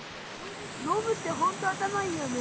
ノブってほんと頭いいよね。